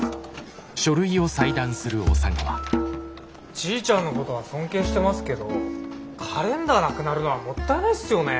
じいちゃんのことは尊敬してますけどカレンダーなくなるのはもったいないっすよね。